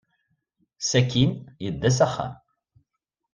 Sakkin, yedda s axxam.